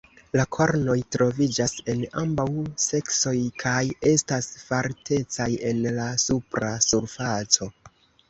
La kornoj troviĝas en ambaŭ seksoj kaj estas faltecaj en la supra surfaco.